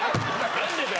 何でだよ。